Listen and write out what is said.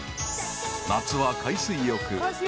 ［夏は海水浴］